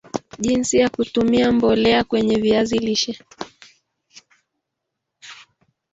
jinsi ya kutumia mbolea kwenye viazi lishe